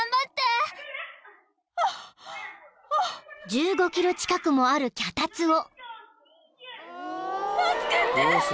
［１５ｋｇ近くもある脚立を］